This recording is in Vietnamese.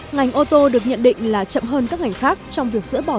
ngành ô tô được nhận định là chậm hơn các ngành khác trong việc giỡn bỏ rào cản phi thuế quan